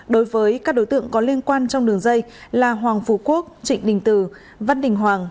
đối với các đối tượng có liên quan trong đường dây là hoàng phú quốc trịnh đình từ văn đình hoàng